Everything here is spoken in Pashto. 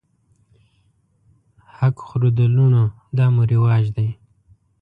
حق خورو د لوڼو دا مو رواج دی